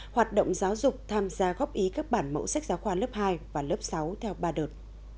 hoạt động giáo dục tham gia góp ý các bản mẫu sách giáo khoa lớp hai và lớp sáu theo ba đợt